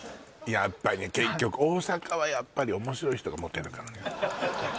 やっぱりね結局大阪はやっぱり面白い人がモテるからね